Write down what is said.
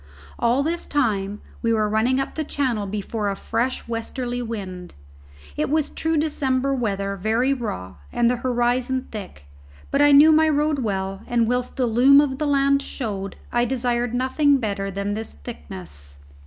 All this time we were running up Channel before a fresh westerly wind. It was true December weather, very raw, and the horizon thick, but I knew my road well, and whilst the loom of the land showed, I desired nothing better than this thickness.